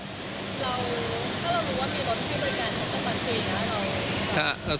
ถ้าเรารู้ว่ามีรถขึ้นบริการชัตเติ้ลบัตรฟรีนะ